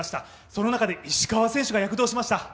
その中で石川選手が躍動しました。